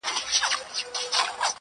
خداى نه چي زه خواست كوم نو دغـــه وي.